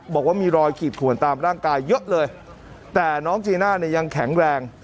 บอกว่ามีรอยขีดขวนตามร่างกายเยอะเลยแต่น้องจีน่าเนี่ยยังแข็งแรง